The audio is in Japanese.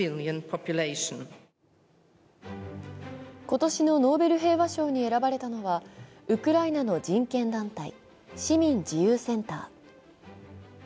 今年のノーベル平和賞に選ばれたのはウクライナの人権団体・市民自由センター。